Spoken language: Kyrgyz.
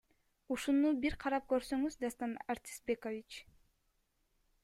Ушуну бир карап көрсөңүз Дастан Артисбекович.